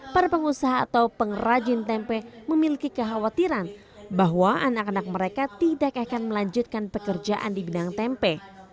para pengusaha atau pengrajin tempe memiliki kekhawatiran bahwa anak anak mereka tidak akan melanjutkan pekerjaan di bidang tempe